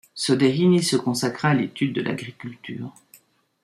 Soderini se consacra à l’étude de l’agriculture.